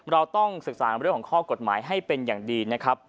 เราต้องศึกษาเรื่องของข้อกฎหมายให้เป็นอย่างดีนะครับ